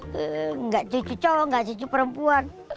biar present len dimakain keluar